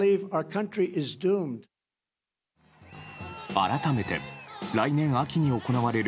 改めて、来年秋に行われる